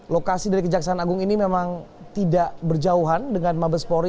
lokasi dari kejaksaan agung ini memang tidak berjauhan dengan mabespori